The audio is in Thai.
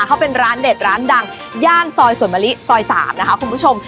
เขาเป็นร้านเด็ดร้านดังย่านซอยสวนมะลิซอย๓นะคะคุณผู้ชม